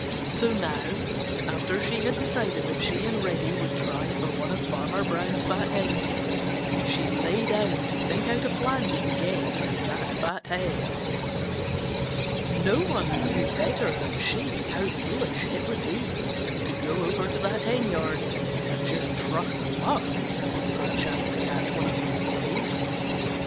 So now after she had decided that she and Reddy would try for one of Farmer Brown's fat hens, she lay down to think out a plan to get that fat hen. No one knew better than she how foolish it would be to go over to that henyard and just trust to luck for a chance to catch one of those biddies.